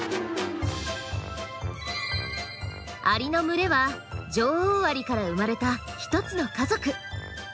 アリの群れは女王アリから生まれたひとつの家族。